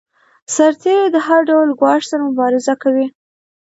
سرتیری د هر ډول ګواښ سره مبارزه کوي.